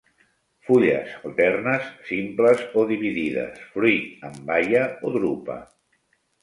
Fulles alternes, simples o dividides. Fruit en baia o drupa.